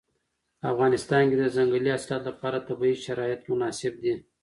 په افغانستان کې د ځنګلي حاصلاتو لپاره طبیعي شرایط مناسب دي.